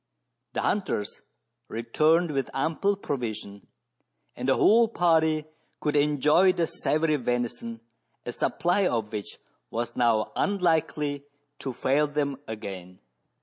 The hunters returned with ample provision, and the whole party could enjoy the savoury venison, a supply of which was now unlikely to fail them again.